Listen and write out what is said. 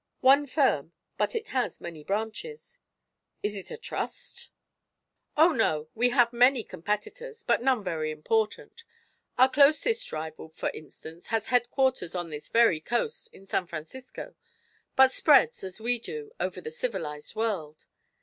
"One firm. But it has many branches." "It is a trust?" "Oh, no; we have many competitors; but none very important. Our closest rival, for instance, has headquarters on this very coast in San Francisco but spreads, as we do, over the civilized world.